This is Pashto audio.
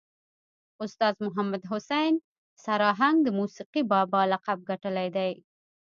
استاذ محمد حسین سر آهنګ د موسیقي بابا لقب ګټلی دی.